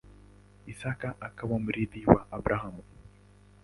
Isaka akawa mrithi wa Abrahamu.